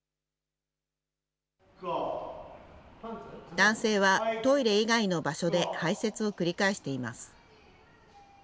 男性はトイレ以外の場所で排せつを繰り返しています。